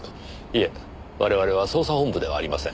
いえ我々は捜査本部ではありません。